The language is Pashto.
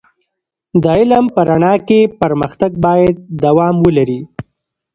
د علم په رڼا کې پر مختګ باید دوام ولري.